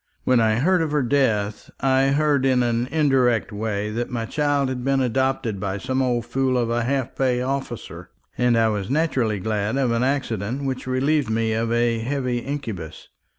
When I heard of her death, I heard in an indirect way that my child had been adopted by some old fool of a half pay officer; and I was naturally glad of an accident which relieved me of a heavy incubus.